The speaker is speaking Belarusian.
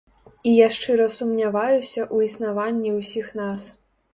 І я шчыра сумняваюся ў існаванні ўсіх нас.